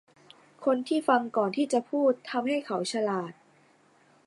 คนที่ฟังก่อนที่จะพูดทำให้เขาฉลาด